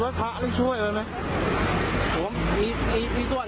ไปภาคบรรณะเรียนสวน